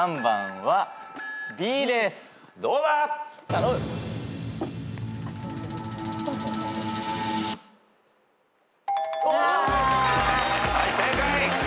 はい正解。